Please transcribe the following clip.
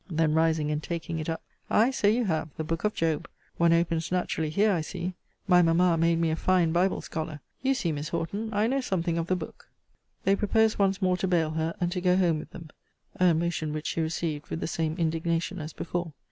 Then rising, and taking it up. Ay, so you have. The Book of Job! One opens naturally here, I see My mamma made me a fine Bible scholar. You see, Miss Horton, I know something of the book. They proposed once more to bail her, and to go home with them. A motion which she received with the same indignation as before.